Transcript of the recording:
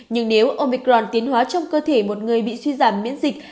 nhưng nếu omicron tiến hóa trong cơ thể một người bị suy giảm miễn dịch